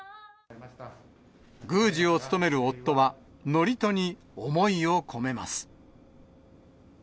宮司を務める夫は、祝詞に思いを込めます。